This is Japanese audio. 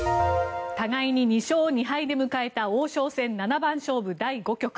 互いに２勝２敗で迎えた王将戦七番勝負第５局。